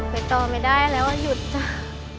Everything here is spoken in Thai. ไปต่อไม่ได้อะไรว่าหยุดนะ